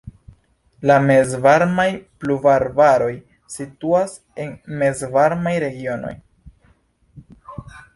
La mezvarmaj pluvarbaroj situas en mezvarmaj regionoj.